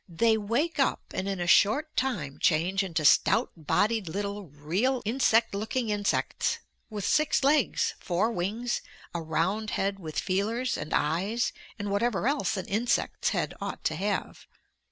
they wake up and in a short time change into stout bodied little real insect looking insects with six legs, four wings, a round head with feelers and eyes and whatever else an insect's head ought to have.